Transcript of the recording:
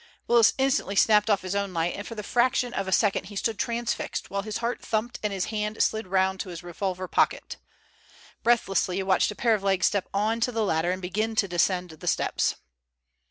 Willis instantly snapped off his own light, and for the fraction of a second he stood transfixed, while his heart thumped and his hand slid round to his revolver pocket. Breathlessly he watched a pair of legs step on to the ladder and begin to descend the steps.